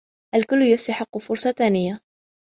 الكلّ يستحقّ فرصة ثانية.